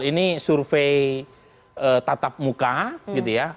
ini survei tatap muka gitu ya